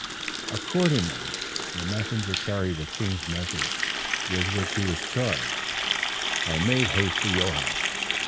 Accordingly the messenger carried the king's message with which he was charged, and made haste to Joab.